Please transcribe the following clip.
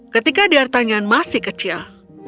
ketika di artangan masih kecil